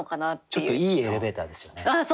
ちょっといいエレベーターですよね。